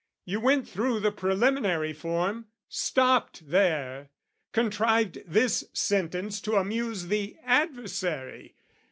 You went through the preliminary form, Stopped there, contrived this sentence to amuse The adversary.